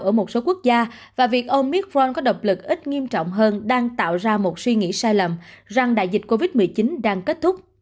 ở một số quốc gia và việc ông mitron có độc lực ít nghiêm trọng hơn đang tạo ra một suy nghĩ sai lầm rằng đại dịch covid một mươi chín đang kết thúc